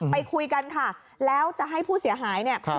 ไปคุยกันค่ะแล้วจะให้ผู้เสียหายเนี่ย